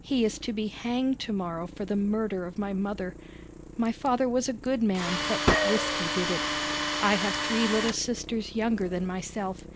He is to be hanged tomorrow for the murder of my mother. My father was a good man, but whisky did it. I have three little sisters younger than myself.